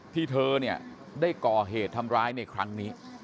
เธอเนี่ยได้ก่อเหตุทำร้ายในครั้งนี้